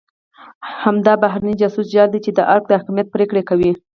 همدا بهرنی جاسوسي جال دی چې د ارګ د حاکمیت پرېکړه کوي.